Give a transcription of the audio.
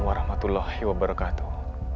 wa rahmatullah wabarakatuh